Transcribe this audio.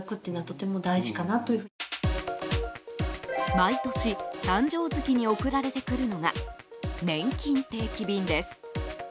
毎年、誕生月に送られてくるのがねんきん定期便です。